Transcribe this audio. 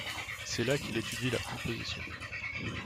C’est là qu’il étudie la composition.